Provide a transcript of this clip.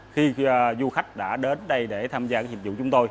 khi du khách đã đến đây để tham gia hiệp dụng chúng tôi